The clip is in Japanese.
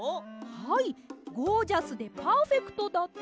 はいゴージャスでパーフェクトだって。